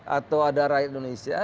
atau ada rakyat indonesia